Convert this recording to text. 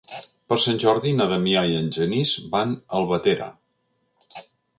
Per Sant Jordi na Damià i en Genís van a Albatera.